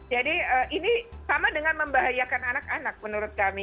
jadi ini sama dengan membahayakan anak anak menurut kami